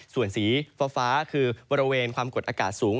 ส่วนสีฟ้าคือบริเวณความกดอากาศสูง